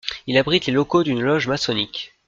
Il abrite les locaux d'une loge maçonnique.